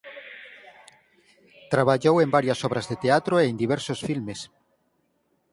Traballou en varias obras de teatro e en diversos filmes.